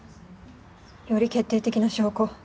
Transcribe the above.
より決定的な証拠。